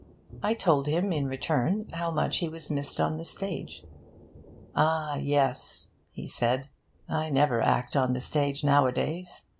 I told him, in return, how much he was missed on the stage. 'Ah, yes,' he said, 'I never act on the stage nowadays.'